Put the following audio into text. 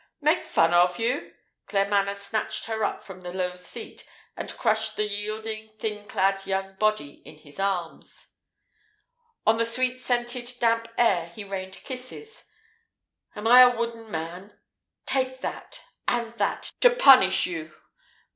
"Make fun of you!" Claremanagh snatched her up from the low seat, and crushed the yielding, thinly clad young body in his arms. On the sweet scented, damp hair he rained kisses. "Am I a wooden man? Take that and that, to punish you!